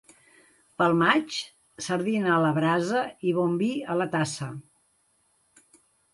Pel maig, sardina a la brasa i bon vi a la tassa.